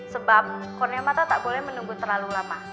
sebab kurnia mata tak boleh menunggu terlalu lama